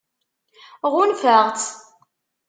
Ɣunfaɣ-tt.